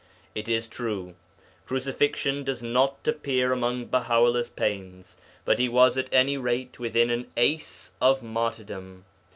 It is true, crucifixion does not appear among Baha 'ullah's pains, but he was at any rate within an ace of martyrdom.